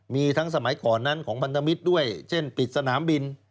มีทั้งสมัยก่อนนั้นของพันธมิตรด้วยเช่นปิดสนามบิน